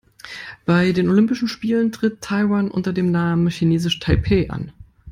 Bei den Olympischen Spielen tritt Taiwan unter dem Namen „Chinesisch Taipeh“ an.